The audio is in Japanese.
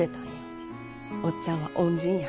おっちゃんは恩人や。